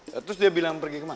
terus dia bilang pergi kemana